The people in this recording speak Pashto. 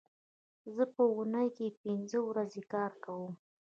زه په اونۍ کې پینځه ورځې کار کوم